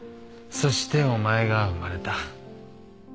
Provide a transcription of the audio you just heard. そしてお前が生まれた。